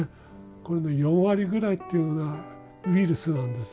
これの４割ぐらいっていうのはウイルスなんですね。